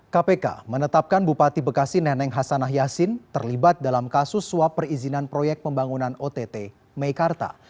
kpk menetapkan bupati bekasi neneng hasanah yassin terlibat dalam kasus suap perizinan proyek pembangunan ott meikarta